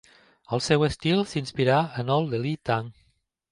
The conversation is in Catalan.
El seu estil s'inspirà en el de Li Tang.